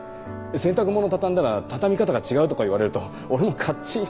洗濯物畳んだら畳み方が違うとか言われると俺もカチン！